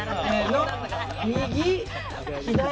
右、左。